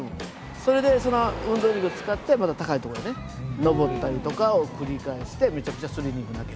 それでその運動エネルギーを使ってまた高いところへ上ったりとかを繰り返してめちゃくちゃスリリングな訳。